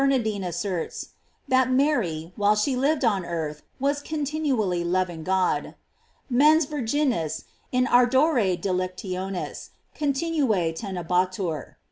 609 nardine asserts, that Mary, while she lived on earth, was continually loving God: "Hens Vir ginis in ardore dilectionis continue tenebatur."